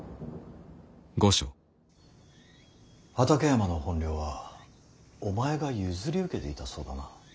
畠山の本領はお前が譲り受けていたそうだな。